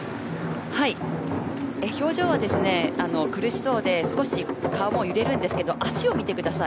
表情は苦しそうで少し顔も揺れますが足を見てください。